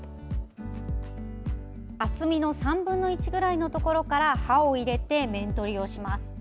厚みの３分の１ぐらいのところから刃を入れて面取りをします。